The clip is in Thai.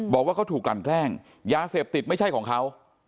บอกว่าเขาถูกกลั่นแกล้งยาเสพติดไม่ใช่ของเขา